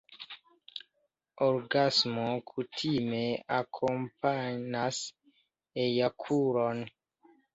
Orgasmo kutime akompanas ejakulon.